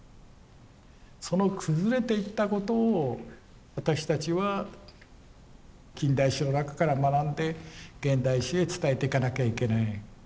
その崩れていったことを私たちは近代史の中から学んで現代史へ伝えていかなきゃいけない。